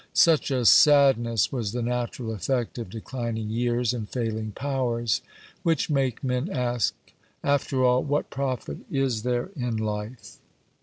Such a sadness was the natural effect of declining years and failing powers, which make men ask, 'After all, what profit is there in life?'